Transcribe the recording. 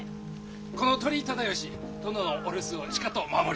「この鳥居忠吉殿のお留守をしかと守り」。